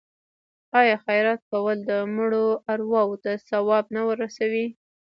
آیا خیرات کول د مړو ارواو ته ثواب نه رسوي؟